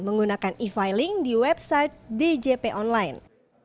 menggunakan e filing di website djp online